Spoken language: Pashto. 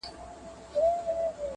د کتلو د ستایلو نمونه وه؛